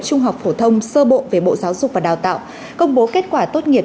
trung học phổ thông sơ bộ về bộ giáo dục và đào tạo công bố kết quả tốt nghiệp